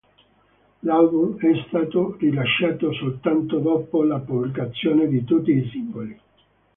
L'album è stato rilasciato soltanto dopo la pubblicazione di tutti i singoli.